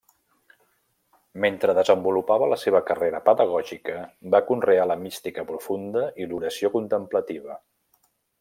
Mentre desenvolupava la seva carrera pedagògica, va conrear la mística profunda i l'oració contemplativa.